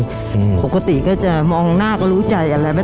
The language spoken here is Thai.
ปกติก็จะมองหน้าก็รู้ใจ